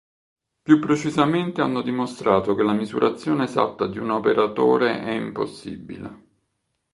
Più precisamente hanno dimostrato che la misurazione esatta di un operatore è impossibile.